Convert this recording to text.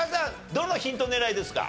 どのヒント狙いですか？